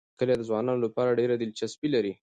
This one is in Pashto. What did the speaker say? کلي د ځوانانو لپاره ډېره دلچسپي لري.